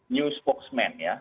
new spokesman ya